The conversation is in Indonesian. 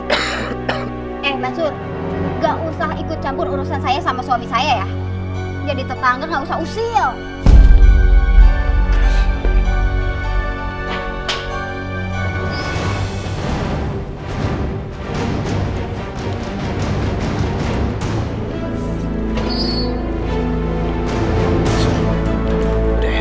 eh mansur gak usah ikut campur urusan saya sama suami saya ya